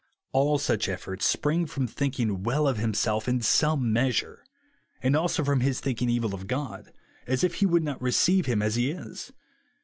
All such efforts spring from thinking well of himself in some measure ; and also from his thinking evil of God, as if he would not receive him as he is.